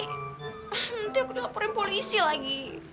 nanti aku dilaporin polisi lagi